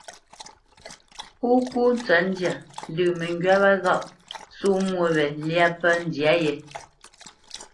Pó kwó ntsə̌tndyâ, ndə məŋgywá wâ ghâʼ só mwô wě lyá pə́ ndyâ yē.